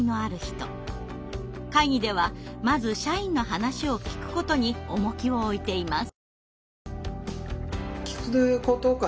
会議ではまず社員の話を聞くことに重きを置いています。